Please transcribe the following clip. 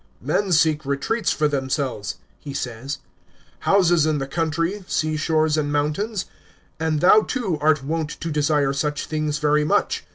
"Men seek retreats for themselves," he says, " houses in the count ry , sea shores, and mountains, and thou too art wont to desire such things very much.